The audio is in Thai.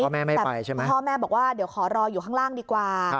พ่อแม่ไม่ไปใช่ไหมพ่อแม่บอกว่าเดี๋ยวขอรออยู่ข้างล่างดีกว่า